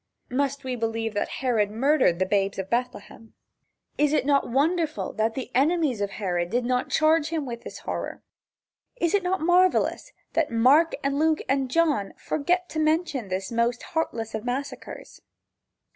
Must we believe that Herod murdered the babes of Bethlehem? Is it not wonderful that the enemies of Herod did not charge him with this horror? Is it not marvelous that Mark and Luke and John forgot to mention this most heartless of massacres?